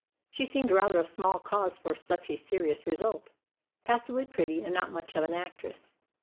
She seemed rather a small cause for such a serious result passably pretty, and not much of an actress.